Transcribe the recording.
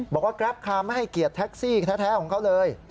กราฟคาร์ไม่ให้เกียรติแท็กซี่แท้ของเขาเลย